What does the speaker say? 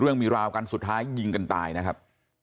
มีราวกันสุดท้ายยิงกันตายนะครับ